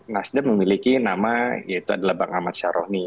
nasdem memiliki nama yaitu adalah bang ahmad syaroni